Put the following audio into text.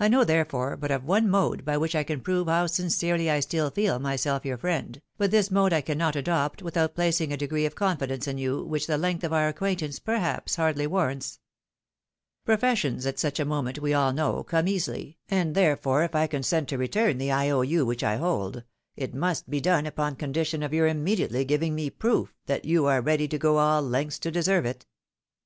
I know, therefore, but of one mode by which I can prove how sincerely I stiU. feel myself your friend, but this mode I cannot adopt without placing a degree of confidence in you which the length of our acquaintance, perhaps, hardly warrants. Professions at such a moment, we all know, come easily, and therefore if I consent to return the I O U which I hold, it must be done upon condition of your immediately giving ■ms proof that you areready to go aU lengths to deserve it."